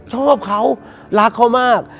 ชอบเขารักเขามาก